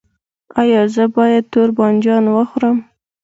ایا زه باید تور بانجان وخورم؟